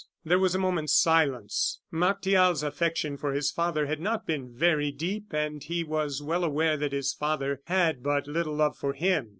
There was a moment's silence. Martial's affection for his father had not been very deep, and he was well aware that his father had but little love for him.